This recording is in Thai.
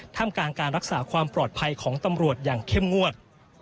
ทำกลางการรักษาความปลอดภัยของตำรวจอย่างเข้มงวด